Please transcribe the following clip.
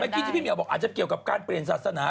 คิดที่พี่เหี่ยวบอกอาจจะเกี่ยวกับการเปลี่ยนศาสนา